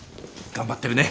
頑張ってるね。